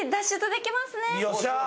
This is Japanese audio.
よっしゃ！